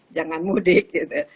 jangan mudik gitu